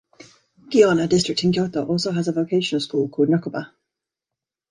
Gion, a district in Kyoto, also has a vocational school, called "Nyokoba".